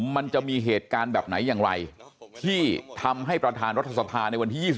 มันจะมีเหตุการณ์แบบไหนอย่างไรที่ทำให้ประธานรัฐสภาในวันที่๒๒